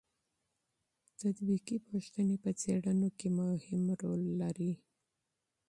تطبیقي پوښتنې په څېړنو کې مهم رول لري.